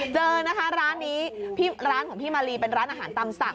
เจอนะคะร้านนี้ร้านของพี่มาลีเป็นร้านอาหารตามสั่ง